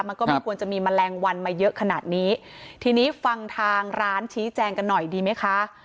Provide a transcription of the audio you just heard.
มันก็ไม่ควรจะมีแมลงวันมาเยอะขนาดนี้ทีนี้ฟังทางร้านชี้แจงกันหน่อยดีไหมคะ